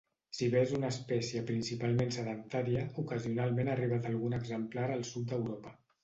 Si bé és una espècie principalment sedentària, ocasionalment ha arribat algun exemplar al sud d'Europa.